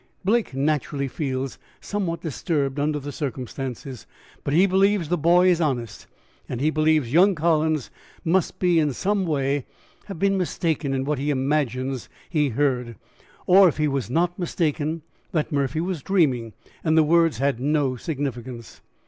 "Blake naturally feels somewhat disturbed under the circumstances, but he believes the boy is honest, and he believes young Collins must in some way have been mistaken in what he imagines he heard. Or, if he was not mistaken, that Murphy was dreaming, and the words had no significance.